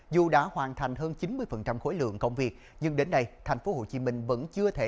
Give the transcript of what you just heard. dù đã hoàn thành hơn chín mươi khối lượng công việc nhưng đến nay tp hcm vẫn chưa thể